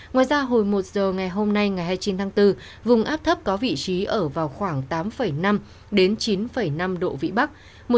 ngoài ra hồi một giờ ngày hôm nay ngày hai mươi chín tháng bốn vùng áp thấp có vị trí ở vào khoảng tám năm đến chín năm độ vĩ bắc